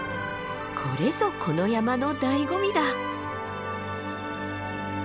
これぞこの山のだいご味だ。